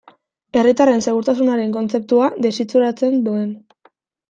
Herritarren segurtasunaren kontzeptua desitxuratzen duen.